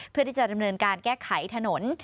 เพื่อที่จะดำเนินการแก้ไขถนน